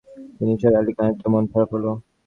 নিসার আলির খানিকটা মন খারাপ হল।